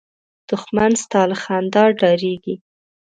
دښمن ستا له خندا ډارېږي